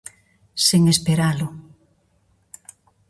Sen esperalo.